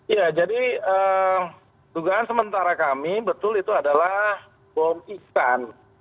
ya jadi dugaan sementara kami betul itu adalah bom ikan